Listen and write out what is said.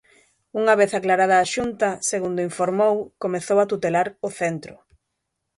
Unha vez aclarada a Xunta, segundo informou, "comezou a tutelar" o centro.